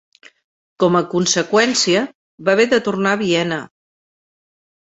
Com a conseqüència, va haver de tornar a Viena.